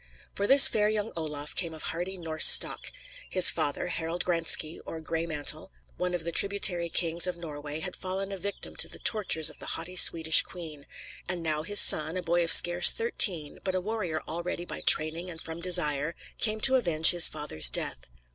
For this fair young Olaf came of hardy Norse stock. His father, Harald Graenske, or "Gray mantle," one of the tributary kings of Norway, had fallen a victim to the tortures of the haughty Swedish queen; and now his son, a boy of scarce thirteen, but a warrior already by training and from desire, came to avenge his father's death.